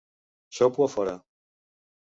Sopo a fora.